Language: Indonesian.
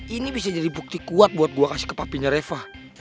ini bisa jadi bukti kuat buat gue kasih kepapinya reva